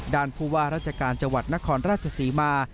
ผู้ว่าราชการจังหวัดนครราชศรีมา